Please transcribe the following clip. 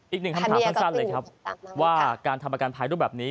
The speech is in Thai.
อีกหนึ่งคำถามสั้นเลยครับว่าการทำประกันภัยรูปแบบนี้